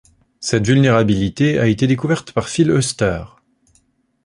Cette vulnérabilité a été découverte par Phil Oester.